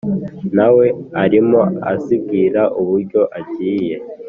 nawe arimo azibwira uburyo agiye